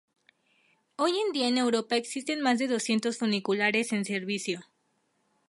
Hoy en día en Europa existen más de doscientos funiculares en servicio.